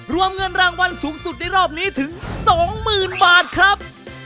รวมเงินรางวัลสูงสุดในรอบนี้ถึง๒๐๐๐บาทครับ